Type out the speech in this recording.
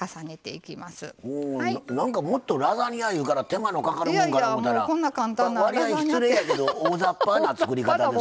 なんかもっとラザニアいうから手間のかかるもんかな思ったらわりあい失礼やけど大ざっぱな作り方ですな。